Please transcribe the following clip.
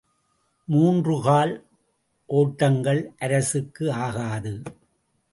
மூன்று கால் ஒட்டங்கள் அரசுக்கு ஆகாது.